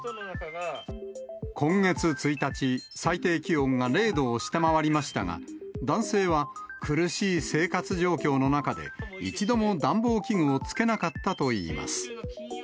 今月１日、最低気温が０度を下回りましたが、男性は、苦しい生活状況の中で、一度も暖房器具をつけなかったといいます。